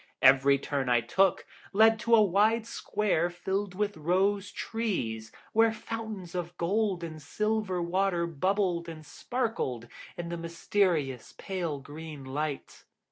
Every turn I took led to a wide square filled with rose trees, where fountains of gold and silver water bubbled and sparkled in the mysterious pale green light.